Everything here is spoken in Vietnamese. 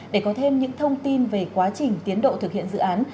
để có thêm những thông tin về quá trình tiến độ thực hiện dự án